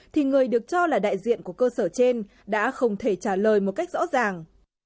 thì người được cho là đại diện của cơ sở trên đã không thể trả lời một cách rõ ràng